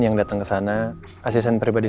yang datang ke sana asisten pribadi